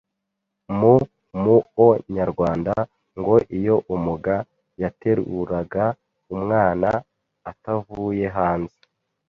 Mu muo nyarwanda ngo iyo umuga yateruraga umwana atavuye hanze